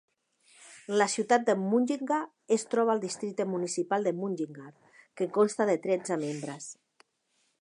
La ciutat de Mullingar es troba al districte municipal de Mullingar, que consta de tretze membres.